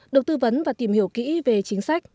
được tư vấn và tìm hiểu kỹ về chính sách